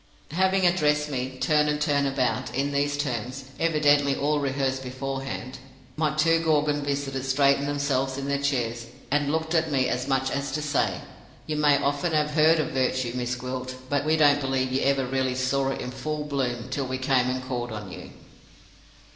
"Having addressed me, turn and turn about, in these terms (evidently all rehearsed beforehand), my two Gorgon visitors straightened themselves in their chairs, and looked at me as much as to say, 'You may often have heard of Virtue, Miss Gwilt, but we don't believe you ever really saw it in full bloom till we came and called on you.